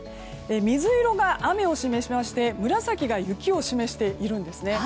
水色が雨を示しまして紫が雪を示しているんですね。